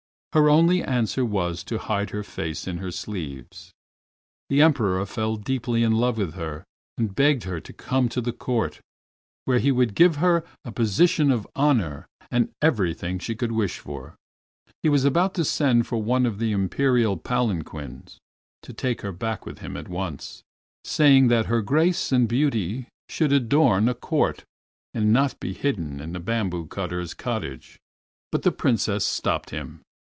Her only answer was to hide her face in her sleeves. The Emperor fell deeply in love with her, and begged her to come to the Court, where he would give her a position of honor and everything she could wish for. He was about to send for one of the Imperial palanquins to take her back with him at once, saying that her grace and beauty should adorn a Court, and not be hidden in a bamboo cutter's cottage. But the Princess stopped him.